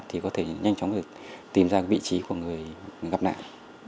thì có thể nhanh chóng được tìm ra vị trí của người gặp nạn